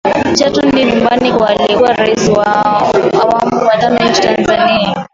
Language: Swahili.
Chato ndio nyumbani kwa aliyekuwa Rais wa awamu ya tano nchini Tanzania